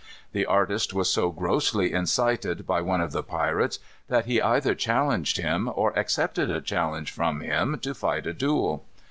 The artist was so grossly incited by one of the pirates, that he either challenged him, or accepted a challenge from him to fight a duel.